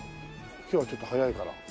今日はちょっと早いから。